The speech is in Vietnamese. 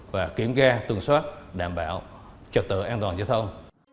và kiểm tra tuần soát đảm bảo trật tựa an toàn cho xong